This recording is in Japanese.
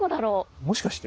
もしかして。